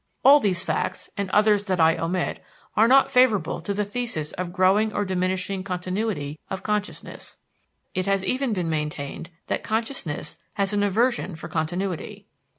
All these facts, and others that I omit, are not favorable to the thesis of growing or diminishing continuity of consciousness. It has even been maintained that consciousness "has an aversion for continuity."